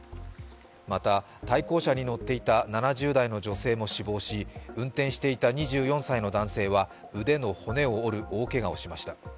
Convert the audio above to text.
また対向車に乗っていた７０代の女性も死亡し運転していた２４歳の男性は腕の骨を折る大けがをしました。